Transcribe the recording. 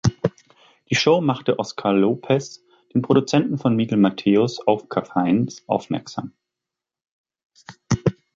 Die Show machte Oscar Lopez, den Produzenten von Miguel Mateos, auf Cafaines aufmerksam.